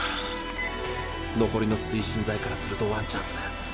残りの推進剤からするとワンチャンス。